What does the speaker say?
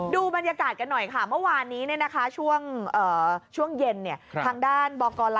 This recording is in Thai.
ดูบรรยากาศกันหน่อยมันวานนี้นะคะช่วงเย็น